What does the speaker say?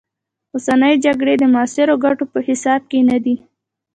اوسنۍ جګړې د معاصرو ګټو په حساب کې نه دي.